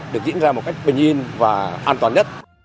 được diễn ra một cách bình yên và an toàn nhất